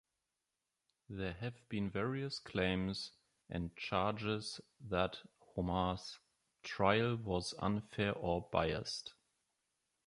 There have been various claims and charges that Homma's trial was unfair or biased.